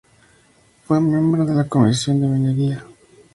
Fue miembro de la Comisión de Minería.